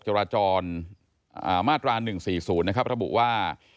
จราจรมาตรา๑๔๐นะครับระบุว่า